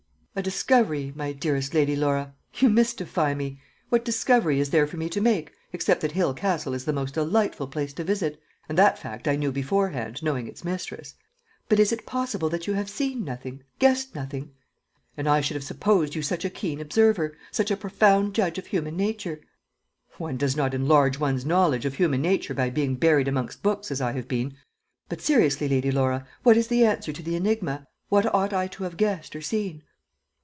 "A discovery, my dearest Lady Laura you mystify me. What discovery is there for me to make, except that Hale Castle is the most delightful place to visit? and that fact I knew beforehand, knowing its mistress." "But is it possible that you have seen nothing guessed nothing? And I should have supposed you such a keen observer such a profound judge of human nature." "One does not enlarge one's knowledge of human nature by being buried amongst books as I have been. But seriously, Lady Laura, what is the answer to the enigma what ought I to have guessed, or seen?"